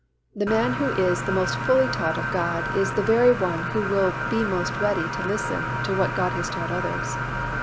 The man who is the most fully taught of God is the very one who will be most ready to listen to what God has taught others.